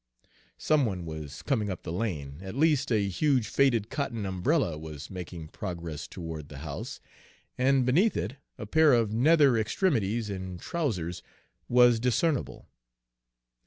Some one was coming up the lane; at least, a huge faded cotton umbrella was making progress toward the house, and beneath it a pair of nether extremities in trousers was discernible.